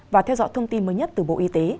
và theo dõi thông tin mới nhất từ bộ y tế